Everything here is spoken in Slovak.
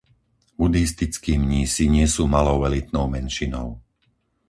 Budhistickí mnísi nie sú malou elitnou menšinou.